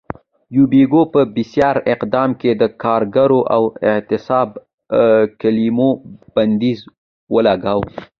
یوبیکو په بېساري اقدام کې د کارګر او اعتصاب کلیمو بندیز ولګاوه.